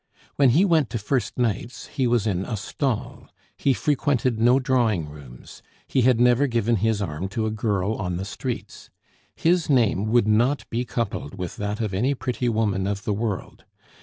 When he went to "first nights," he was in a stall. He frequented no drawing rooms. He had never given his arm to a girl on the streets. His name would not be coupled with that of any pretty woman of the world.